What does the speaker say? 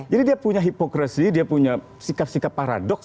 jadi dia punya hipokrasi dia punya sikap sikap paradoks